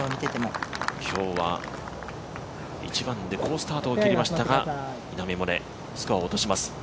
今日は、１番で好スタートを切りましたが稲見萌寧、スコアを落とします。